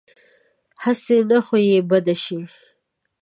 هسې نه خوا یې بده شي.